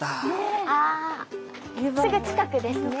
すぐ近くですね。